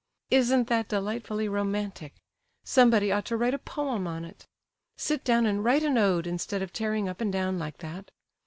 Isn't that delightfully romantic? Somebody ought to write a poem on it. Sit down and write an ode instead of tearing up and down like that.